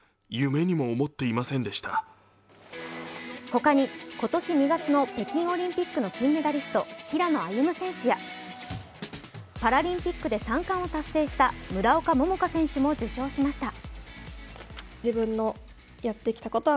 他に、今年２月の北京オリンピックの金メダリスト、平野歩夢選手やパラリンピックで３冠を達成した村岡桃佳選手も受章しました。